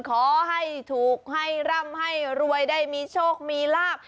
ขอให้ถูกให้ร่ำให้รวยได้มีโชคมีลาบ